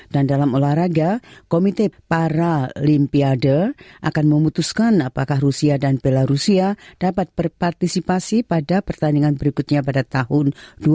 dan dalam olahraga komite paralimpiade akan memutuskan apakah rusia dan belarusia dapat berpartisipasi pada pertandingan berikutnya pada tahun dua ribu dua puluh empat